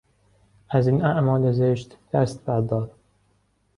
از این اعمال زشت دست بردار!